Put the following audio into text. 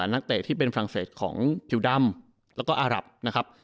นักเตะที่เป็นฝรั่งเศสของผิวดำแล้วก็อารับนะครับ